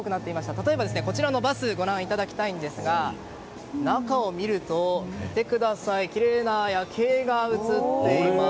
例えば、こちらのバスご覧いただきたいんですが中を見るときれいな夜景が映っています。